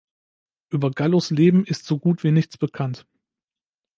Über Gallos Leben ist so gut wie nichts bekannt.